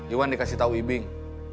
iwan dikasih tahu ibing